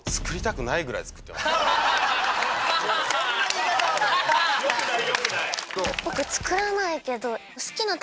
そんな言い方はない。